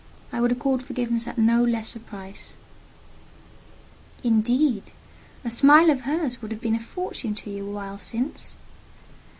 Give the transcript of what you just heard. I would accord forgiveness at no less a price." "Indeed! a smile of hers would have been a fortune to you a while since."